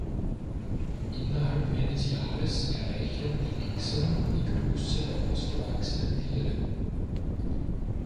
Innerhalb eines Jahres erreichen die Echsen die Größe der ausgewachsenen Tiere